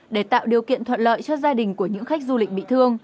để tạo điều kiện thuận lợi cho gia đình của những khách du lịch bị thương